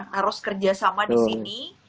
harus kerjasama di sini